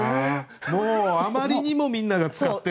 もうあまりにもみんなが使ってると。